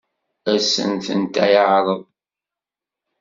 Ad sent-tent-yeɛṛeḍ?